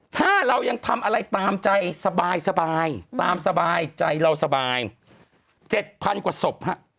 ถ้าเรายังทำอะไรตามใจสบายสบายตามสบายใจเราสบายเจ็ดพันกว่าสบฮะ